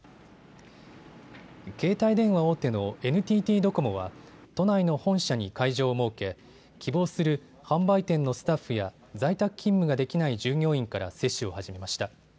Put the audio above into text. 携帯電話大手のＮＴＴドコモは都内の本社に会場を設け希望する販売店のスタッフや在宅勤務ができない従業員から接種を始めました。